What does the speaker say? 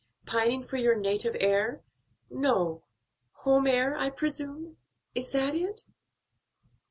Pining for your native air no, home air I presume. Is that it?"